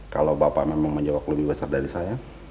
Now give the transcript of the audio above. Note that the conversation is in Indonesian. kalau bapak memang menjawab lebih besar dari saya